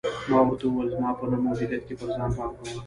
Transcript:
ما ورته وویل: زما په نه موجودیت کې پر ځان پام کوه.